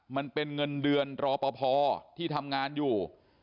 มันเป็นเงินเดือนรอปภที่ทำงานอยู่